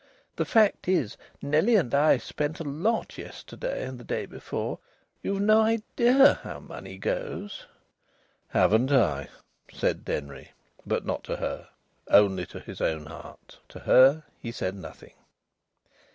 "The fact is, Nellie and I spent such a lot yesterday and the day before.... You've no idea how money goes!" "Haven't I?" said Denry. But not to her only to his own heart. To her he said nothing.